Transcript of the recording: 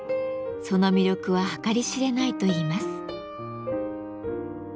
その魅力は計り知れないといいます。